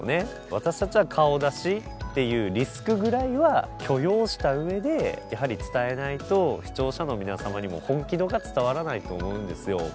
私たちは顔出しっていうリスクぐらいは許容した上でやはり伝えないと視聴者の皆様にも本気度が伝わらないと思うんですよ。